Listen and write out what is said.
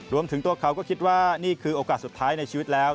รวมถึงตัวเขาก็คิดว่านี่คือโอกาสสุดท้ายในชีวิตแล้ว